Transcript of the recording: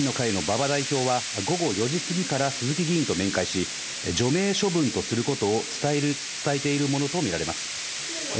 いやいや、それはちょっとお日本維新の会の馬場代表は、午後４時過ぎから鈴木議員と面会し、除名処分とすることを伝えているものと見られます。